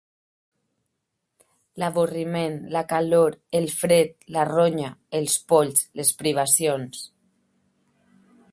L'avorriment, la calor, el fred, la ronya, els polls, les privacions